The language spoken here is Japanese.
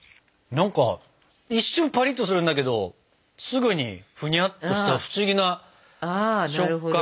何か一瞬パリッとするんだけどすぐにふにゃっとした不思議な食感。